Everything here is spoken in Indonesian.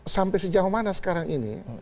sampai sejauh mana sekarang ini